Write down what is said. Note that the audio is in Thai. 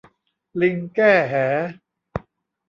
ลิงแก้แห